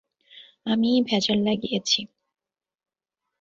আমিই ভেজাল লাগিয়েছি।